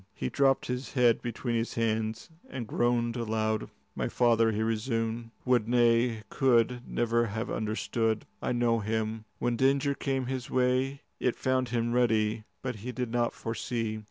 He dropped his head between his hands and groaned aloud. "My father," he resumed, "would, nay, could, never have understood. I know him. When danger came his way, it found him ready, but he did not foresee.